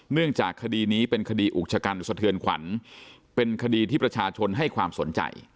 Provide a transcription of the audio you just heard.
เนื่องจากคดีนี้เป็นคดีอุกชะกันสะเทือนขวัญเป็นคดีที่ประชาชนให้ความสนใจ